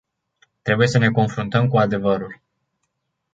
Trebuie să ne confruntăm cu adevărul.